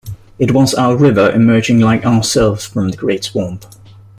It was our river emerging like ourselves from the great swamp.